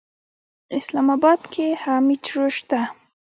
اسلام اباد کې هم میټرو شته.